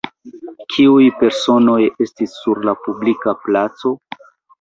Kiuj personoj estis sur la publika placo?